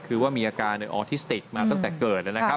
คือว่ามีอาการออทิสติกมาตั้งแต่เกิด